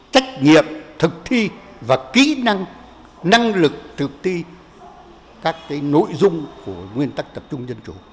trách nhiệm thực thi và kỹ năng năng lực thực thi các nội dung của nguyên tắc tập trung dân chủ